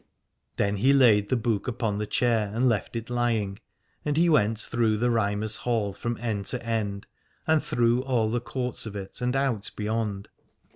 Then he laid the book upon the chair and left it lying, and he went through the Rhymer's Hall from end to end, and through all the courts of it and out beyond.